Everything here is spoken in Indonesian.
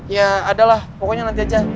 ya ada lah pokoknya nanti aja